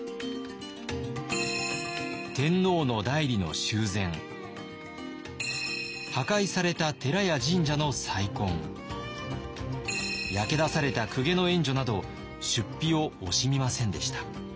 天皇の内裏の修繕破壊された寺や神社の再建焼け出された公家の援助など出費を惜しみませんでした。